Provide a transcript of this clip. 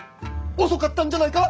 遅かったんじゃないか。